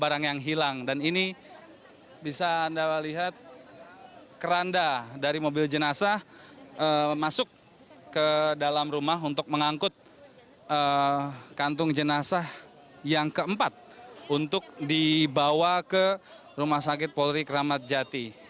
barang yang hilang dan ini bisa anda lihat keranda dari mobil jenazah masuk ke dalam rumah untuk mengangkut kantung jenazah yang keempat untuk dibawa ke rumah sakit polri kramat jati